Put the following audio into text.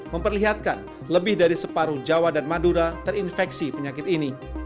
memperlihatkan lebih dari separuh jawa dan madura terinfeksi penyakit ini